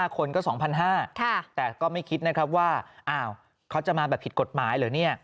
คนก็๒๕๐๐บาทแต่ก็ไม่คิดนะครับว่าเขาจะมาแบบผิดกฎหมายเหรอเนี่ย